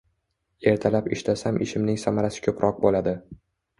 Ertalab ishlasam ishimning samarasi ko’proq bo’ladi.